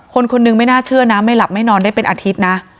คนคนนึงไม่น่าเชื่อนะไม่หลับไม่นอนได้เป็นอาทิตย์นะ